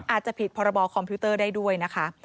อาจจะผิดพรบคอมพิวเตอร์ได้ด้วยนะคะ